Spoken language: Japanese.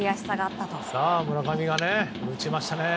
村上が打ちましたね。